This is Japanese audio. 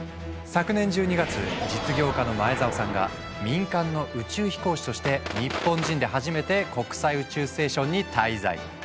昨年１２月実業家の前澤さんが民間の宇宙飛行士として日本人で初めて国際宇宙ステーションに滞在。